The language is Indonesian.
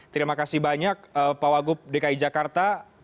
terima kasih banyak pak wagub dki jakarta